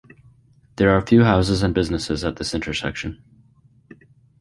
There are few houses and businesses at this intersection.